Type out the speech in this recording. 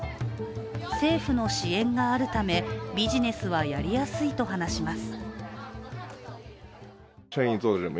政府の支援があるため、ビジネスはやりやすいと話します。